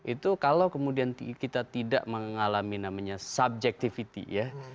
itu kalau kemudian kita tidak mengalami namanya subjectivity ya